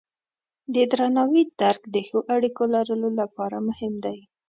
د درناوي درک د ښو اړیکو لرلو لپاره مهم دی.